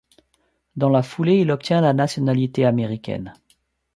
Dans la foulée, il obtient la nationalité américaine.